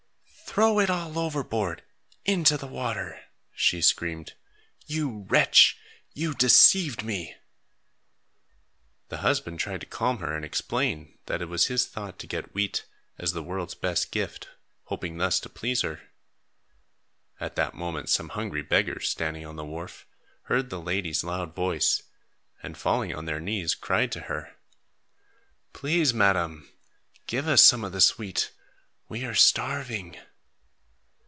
"Throw it all overboard, into the water," she screamed. "You wretch, you have deceived me." The husband tried to calm her and explain that it was his thought to get wheat, as the world's best gift, hoping thus to please her. At that moment, some hungry beggars standing on the wharf, heard the lady's loud voice, and falling on their knees cried to her: "Please, madame, give us some of this wheat; we are starving."